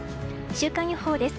週間予報です。